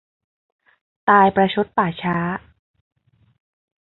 ตายประชดป่าช้า